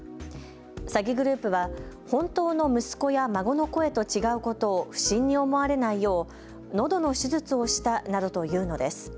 詐欺グループは本当の息子や孫の声と違うことを不審に思われないよう、のどの手術をしたなどと言うのです。